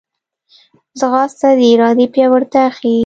ځغاسته د ارادې پیاوړتیا ښيي